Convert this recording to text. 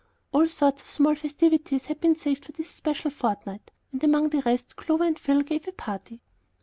All sorts of small festivities had been saved for this special fortnight, and among the rest, Clover and Phil gave a party.